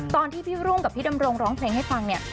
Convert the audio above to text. ตอนที่พี่รุ่งกับพี่ดำรงร้องเพลงให้ฟังเนี่ย